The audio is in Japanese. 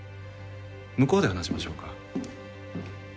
向こうで話しましょうか。